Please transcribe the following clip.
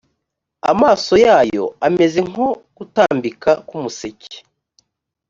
amaso yayo ameze nko gutambika k umuseke